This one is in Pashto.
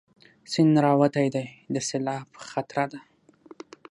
سيند راوتی دی، د سېلاب خطره ده